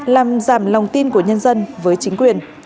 làm giảm lòng tin của nhân dân với chính quyền